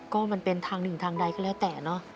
ก็มันเป็นทางหนึ่งทางใดก็แล้วแต่เนอะ